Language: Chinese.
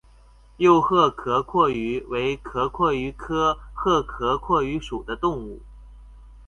幼赫壳蛞蝓为壳蛞蝓科赫壳蛞蝓属的动物。